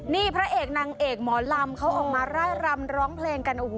นี่พระเอกนางเอกหมอลำเขาออกมาร่ายรำร้องเพลงกันโอ้โห